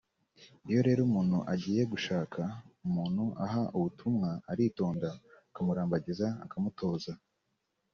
Iyo rero umuntu agiye gushaka umuntu aha ubutumwa aritonda akamurambagiza akamutoza